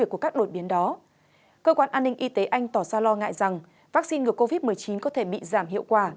cơ quan an ninh y tế anh tỏ ra lo ngại rằng vaccine ngừa covid một mươi chín có thể bị giảm hiệu quả